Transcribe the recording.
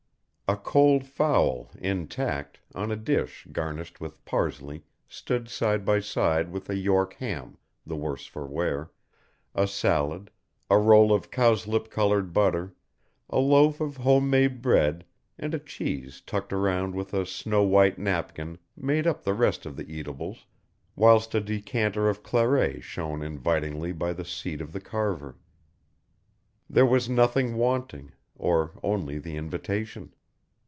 A cold fowl intact on a dish garnished with parsley stood side by side with a York ham the worse for wear, a salad, a roll of cowslip coloured butter, a loaf of home made bread and a cheese tucked around with a snow white napkin made up the rest of the eatables whilst a decanter of claret shone invitingly by the seat of the carver. There was nothing wanting, or only the invitation.